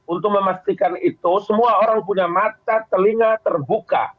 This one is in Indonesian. untuk memastikan itu semua orang punya mata telinga terbuka